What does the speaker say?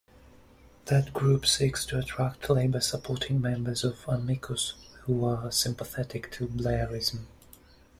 That group seeks to attract Labour-supporting members of Amicus who are sympathetic to Blairism.